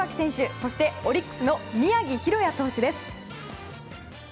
そして、オリックスの宮城大弥投手です。